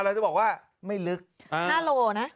เราจะบอกว่าไม่ลึก๕โลนะ